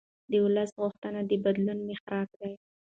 د ولس غوښتنې د بدلون محرک دي